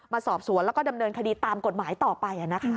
สอบสวนแล้วก็ดำเนินคดีตามกฎหมายต่อไป